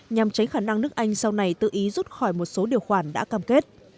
nhằm tránh khả năng nước anh sau này tự ý rút khỏi một số điều khoản đã cam kết